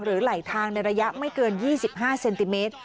ไหลทางในระยะไม่เกิน๒๕เซนติเมตร